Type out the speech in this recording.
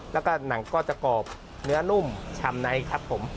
แล้วก็หนังก็จะกรอบเนื้อนุ่มชามไนท์ครับผม